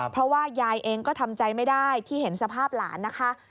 เพราะว่ายายเองก็ทำใจไม่ได้ที่เห็นสภาพหลานนะคะ